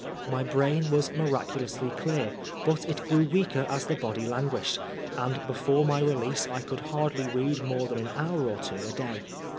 My brain was miracnlonsly clear, but it grew weaker as the body languished ; and before my release I xsonld hardly read more than an hour or two a <lay.